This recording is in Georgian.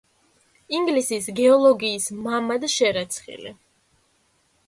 ინგლისის გეოლოგიის „მამად“ შერაცხილი.